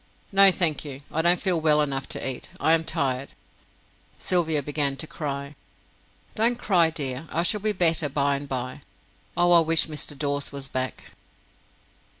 "No, thank you I don't feel well enough to eat. I am tired." Sylvia began to cry. "Don't cry, dear. I shall be better by and by. Oh, I wish Mr. Dawes was back."